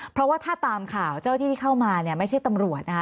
เพราะว่าถ้าตามข่าวเจ้าที่ที่เข้ามาเนี่ยไม่ใช่ตำรวจนะคะ